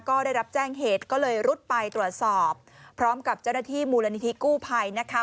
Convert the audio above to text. ก็ได้รับแจ้งเหตุก็เลยรุดไปตรวจสอบพร้อมกับเจ้าหน้าที่มูลนิธิกู้ภัยนะคะ